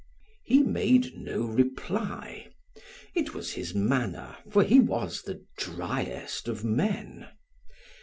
He made no reply. It was his manner, for he was the driest of men.